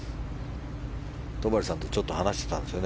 戸張さんとちょっと話していたんですよね